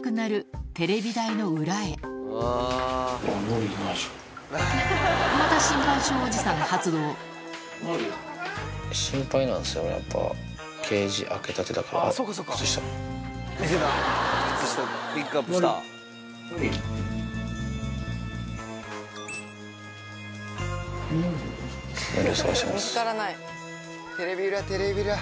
テレビ裏テレビ裏。